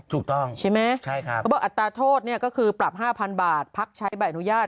ถูกต้องใช่ไหมอัตราโทษก็คือปรับ๕๐๐๐บาทพักใช้แบบอนุญาต